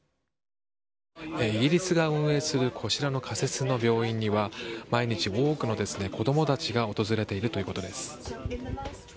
イギリスが運営するこちらの仮設の病院には毎日多くの子供たちが訪れているということです。